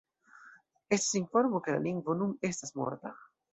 Estas informo ke la lingvo nun estas morta.